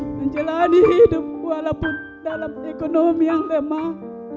menjalani hidup walaupun dalam ekonomi yang lemah